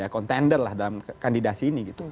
contender dalam kandidasi ini